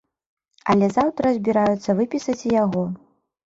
Але заўтра збіраюцца выпісаць і яго.